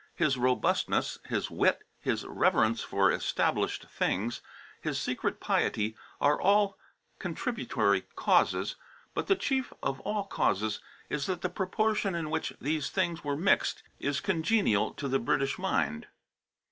His robustness, his wit, his reverence for established things, his secret piety are all contributory causes; but the chief of all causes is that the proportion in which these things were mixed is congenial to the British mind.